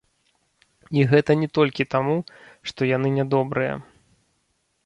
І гэта не толькі таму, што яны нядобрыя.